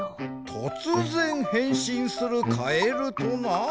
とつぜんへんしんするカエルとな？